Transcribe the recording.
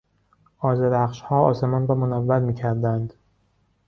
آذرخشها آسمان را منور میکردند.